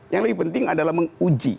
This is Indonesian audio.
yang lebih penting adalah menguji